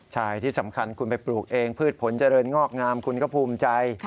ใช่ที่สำคัญคุณไปปลูกเองพืชผลเจริญงอกงามคุณก็ภูมิใจ